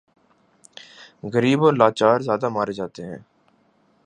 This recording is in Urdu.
غریب اور لاچار زیادہ مارے جاتے ہیں۔